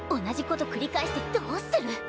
同じこと繰り返してどうする！